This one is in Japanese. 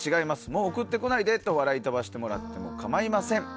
もう送ってこないでと笑い飛ばしてもらっても構いません。